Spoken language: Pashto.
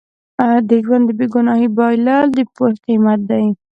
د ژوند د بې ګناهۍ بایلل د پوهې قیمت دی.